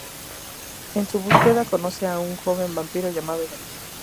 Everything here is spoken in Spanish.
En su búsqueda conoce a un joven vampiro llamado David.